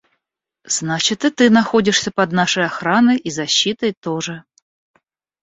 – Значит, и ты находишься под нашей охраной и защитой тоже.